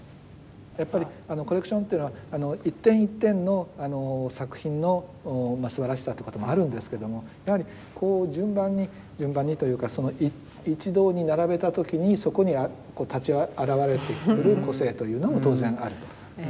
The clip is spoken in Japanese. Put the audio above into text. やっぱりコレクションというのは一点一点の作品のすばらしさとかでもあるんですけどもやはりこう順番に順番にというか一堂に並べた時にそこに立ち現れてくる個性というのも当然あると。